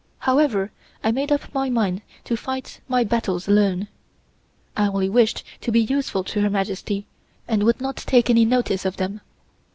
However, I made up my mind to fight my battles alone. I only wished to be useful to Her Majesty, and would not take any notice of them.